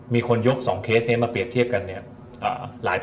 มีคนยก๒เคสนี้มาเปรียบเทียบกันเนี่ย